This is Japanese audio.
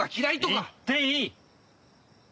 言っていい！